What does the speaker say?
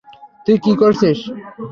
তুই কি করেছিস?